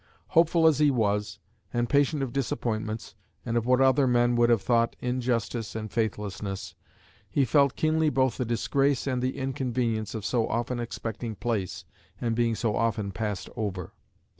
Hopeful as he was, and patient of disappointments, and of what other men would have thought injustice and faithlessness, he felt keenly both the disgrace and the inconvenience of so often expecting place, and being so often passed over.